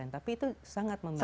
tapi itu sangat membantu